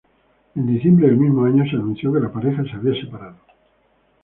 En diciembre del mismo año se anunció que la pareja se había separado.